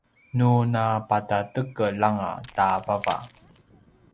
nu napatatekel anga ta vava